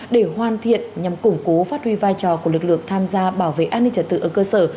để hoàn thiện nhằm củng cố phát huy vai trò của lực lượng tham gia bảo vệ an ninh trật tự ở cơ sở